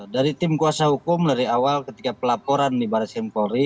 dari tim kuasa hukum dari awal ketika pelaporan di baris krim polri